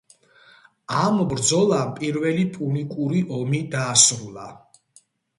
ამ ბრძოლამ პირველი პუნიკური ომი დაასრულა.